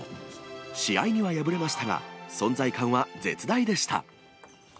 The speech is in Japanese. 試合には敗れましたが、存在感は絶大でした。